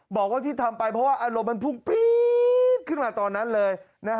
บอกว่าที่ทำไปเพราะว่าอารมณ์มันพุ่งปี๊ดขึ้นมาตอนนั้นเลย